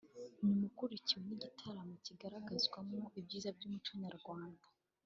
nyuma ukurikirwe n’igitaramo kizagaragarizwamo ibyiza by’umuco nyarwanda